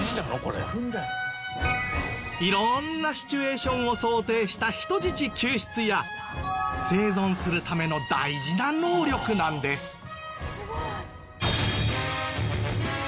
色んなシチュエーションを想定した人質救出や生存するための大事な能力なんです。